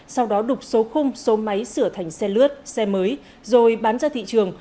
sau đó đục số khung số máy sửa thành xe lướt xe mới rồi bán ra thị trường